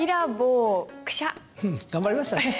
頑張りましたね。